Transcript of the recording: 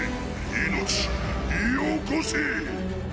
命よこせ！